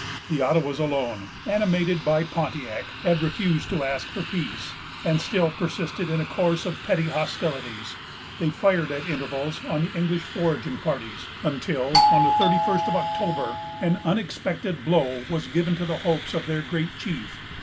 The Ottawas alone, animated by Pontiac, had refused to ask for peace, and still persisted in a course of petty hostilities. They fired at intervals on the English foraging parties, until, on the thirty first of October, an unexpected blow was given to the hopes of their great chief.